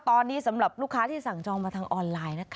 ตอนนี้สำหรับลูกค้าที่สั่งจองมาทางออนไลน์นะคะ